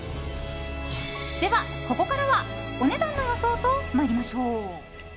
では、ここからはお値段の予想と参りましょう！